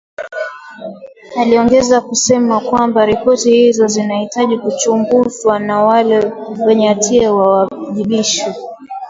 Aliongeza akisema kwamba, ripoti hizo zinahitaji kuchunguzwa na wale wenye hatia wawajibishwe.